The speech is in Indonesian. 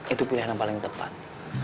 itu pilihan yang paling tepat